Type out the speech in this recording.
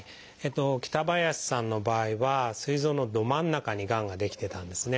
北林さんの場合はすい臓のど真ん中にがんが出来てたんですね。